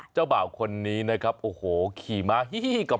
เจ้าบ่าวคนนี้นะครับโอ้โหขี่ม้าฮี้กับ